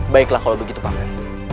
baiklah kalau begitu paman